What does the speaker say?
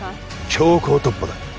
強行突破だ